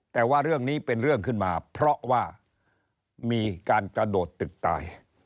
แต่ว่าเรื่องนี้เป็นเรื่องขึ้นมาเพราะว่ามีการกระโดดตึกตาย